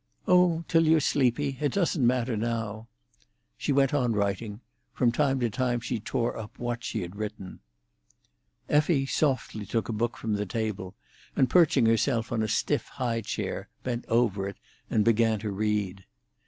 "Oh, till you're sleepy. It doesn't matter now." She went on writing; from time to time she tore up what she had written. Effie softly took a book from the table, and perching herself on a stiff, high chair, bent over it and began to read.